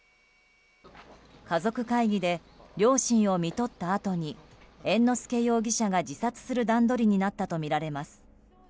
家族会議で両親をみとったあとに猿之助容疑者が自殺する段取りになったとみられます。